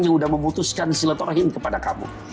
yang sudah memutuskan silaturahim kepada kamu